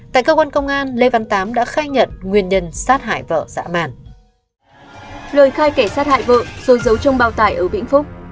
tại cơ quan công an lê văn tám đã khai nhận nguyên nhân sát hại vợ dạ mản